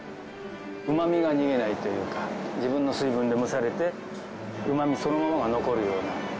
うまみが逃げないというか自分の水分で蒸されてうまみそのものが残るような。